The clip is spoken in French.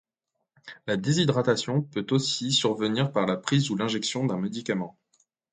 La déshydratation peut aussi survenir par la prise ou l'injection d'un médicament.